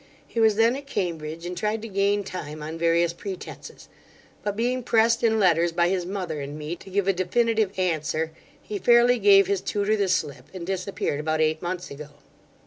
He was then at Cambridge, and tried to gain time on various pretences; but being pressed in letters by his mother and me to give a definitive answer, he fairly gave his tutor the slip, and disappeared about eight months ago.